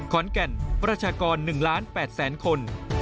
ขอนแก่นประชากร๑๘๐๐๐๐๐คน